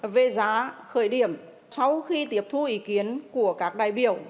về giá khởi điểm sau khi tiếp thu ý kiến của các đại biểu